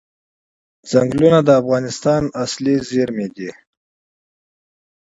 چنګلونه د افغانستان طبعي ثروت دی.